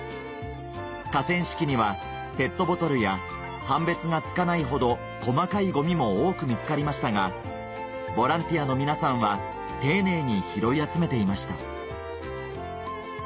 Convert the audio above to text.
河川敷にはペットボトルや判別がつかないほど細かいゴミも多く見つかりましたがボランティアの皆さんは丁寧に拾い集めていました